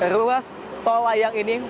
ruas tol layang ini